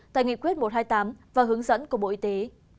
tại nghị quyết một trăm hai mươi tám và hướng dẫn của bộ y tế